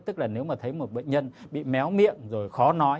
tức là nếu mà thấy một bệnh nhân bị méo miệng rồi khó nói